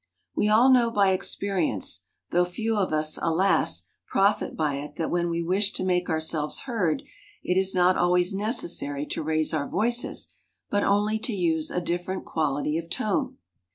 We all know by experience, though few of us, alas, profit by it that when we wish to make ourselves heard, it is not always necessary to raise our voices, but only to use a different quality of tone.